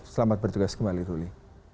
selamat bertugas kembali ruli